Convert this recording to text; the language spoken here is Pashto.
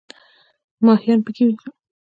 ماهیان پکې وي.